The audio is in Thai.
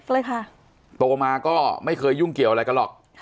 เลยค่ะโตมาก็ไม่เคยยุ่งเกี่ยวอะไรกันหรอก